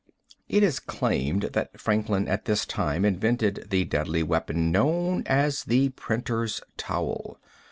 It is claimed that Franklin at this time invented the deadly weapon known as the printer's towel.